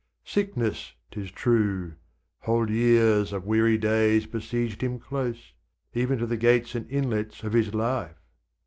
Sickness, 'tis true, Whole years of weary days, besieged him close, Even to the gates and inlets of his life